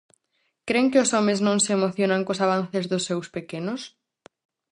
Cren que os homes non se emocionan cos avances dos seus pequenos?